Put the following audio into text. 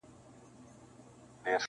• تصور کولای سوای -